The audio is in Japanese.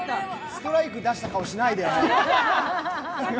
ストライク出した顔しないでよ。